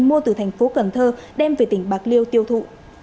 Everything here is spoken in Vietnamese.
mua từ thành phố cần thơ đem về tỉnh bạc liêu tiêu thụ